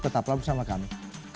tetaplah bersama kami